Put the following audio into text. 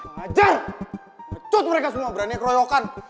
ngecut mereka semua berani keroyokan